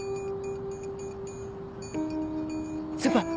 先輩！